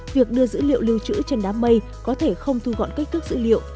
việc đưa dữ liệu lưu trữ trên đám mây có thể không thu gọn cách thức dữ liệu